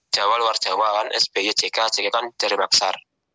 jawa luar jawa kan sby jk jk kan cari maksar